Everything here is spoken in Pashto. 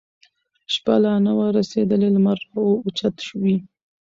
شپه لا نه وي رسېدلې لمر اوچت وي